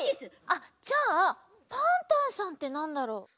あっじゃあパンタンさんってなんだろう？